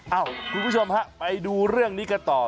คุณผู้ชมฮะไปดูเรื่องนี้กันต่อ